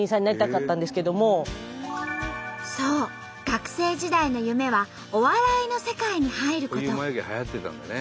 学生時代の夢はお笑いの世界に入ること。